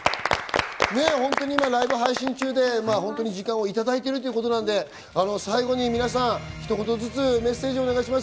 本当に今ライブ配信中で時間をいただいているということなので、最後に皆さん、ひと言ずつメッセージをお願いします。